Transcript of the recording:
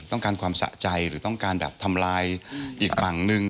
ต้องการความสะใจหรือต้องการแบบทำลายอีกฝั่งนึง